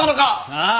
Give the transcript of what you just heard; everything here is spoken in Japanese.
ああ